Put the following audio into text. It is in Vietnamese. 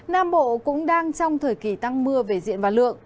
nam bộ cũng đang trong thời kỳ tăng mưa về diện và lượng